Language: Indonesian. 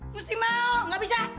pasti mau gak bisa